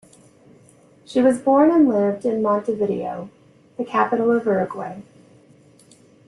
She was born and lived in Montevideo, the capital of Uruguay.